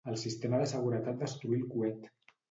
El sistema de seguretat destruí el coet.